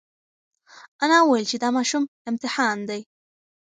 انا وویل چې دا ماشوم امتحان دی.